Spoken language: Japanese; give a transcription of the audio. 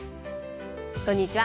こんにちは。